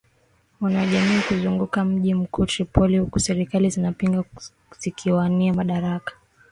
wanaojihami kuzunguka mji mkuu Tripoli huku serikali zinazopingana zikiwania madaraka